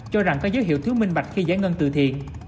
cho rằng có dấu hiệu thiếu minh bạch khi giải ngân từ thiện